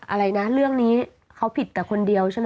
อะไรนะเรื่องนี้เขาผิดแต่คนเดียวใช่ไหม